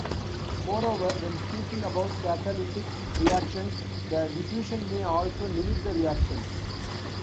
Moreover, when speaking about catalytic reactions, the diffusion may also limit the reaction.